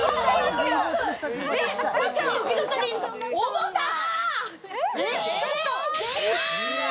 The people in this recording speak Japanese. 重たー！